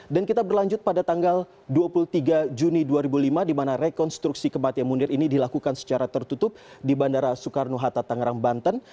kita berlanjut pada tanggal dua puluh tiga juni dua ribu lima di mana rekonstruksi kematian munir ini dilakukan secara tertutup di bandara soekarno hatta tangerang banten